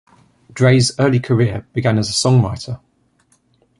Drey's early career began as a songwriter.